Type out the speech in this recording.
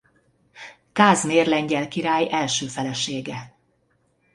Kázmér lengyel király első felesége.